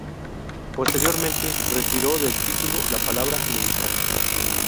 Posteriormente retiró del título la palabra "militar".